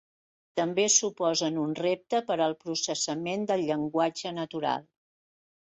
També suposen un repte per al processament de llenguatge natural.